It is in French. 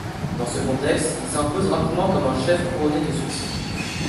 Dans ce contexte, il s'impose rapidement comme un chef couronné de succès.